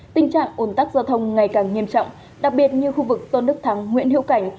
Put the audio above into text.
tình trạng ồn tắc giao thông ngày càng nghiêm trọng đặc biệt như khu vực tôn đức thắng nguyễn hiệu cảnh